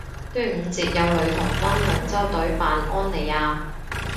端午節有女童軍龍舟隊扮安妮亞